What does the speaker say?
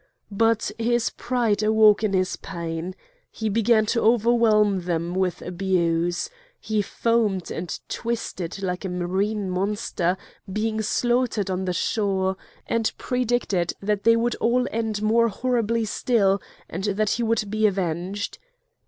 But his pride awoke in his pain. He began to overwhelm them with abuse. He foamed and twisted like a marine monster being slaughtered on the shore, and predicted that they would all end more horribly still, and that he would be avenged.